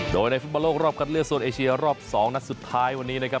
โดยในฟุตบอลโลกรอบคัดเลือกโซนเอเชียรอบ๒นัดสุดท้ายวันนี้นะครับ